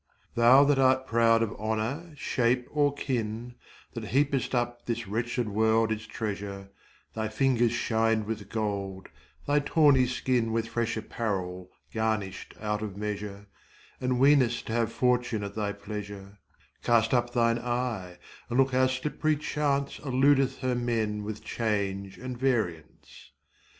Thou that art proud of honour, shape, or kin, That heapest up this wretched world its treasure, Thy fingers shrin'd with gold, thy tawny skin With fresh apparel garnish'd out of measure, And weenest1 to have Fortune at thy pleasure; Cast up thine eye, and look how slipp'ry chance Illudeth2 her men with change and variance.